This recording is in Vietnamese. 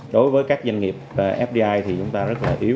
đối với các doanh nghiệp fdi thì chúng ta rất là yếu